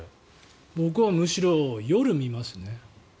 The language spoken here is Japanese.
僕はむしろ、夜に見ますね。